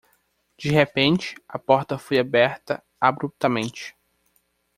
De repente, a porta foi aberta abruptamente